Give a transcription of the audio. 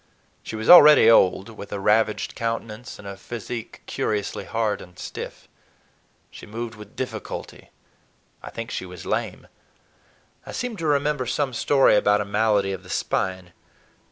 She was already old, with a ravaged countenance and a physique curiously hard and stiff. She moved with difficulty—I think she was lame—I seem to remember some story about a malady of the spine.